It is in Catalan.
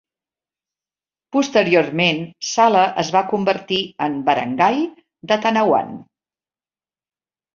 Posteriorment, Sala es va convertir en barangay de Tanauan.